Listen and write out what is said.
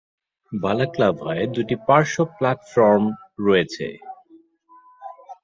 বালাক্লাভায় দুটি পার্শ্ব প্ল্যাটফর্ম রয়েছে।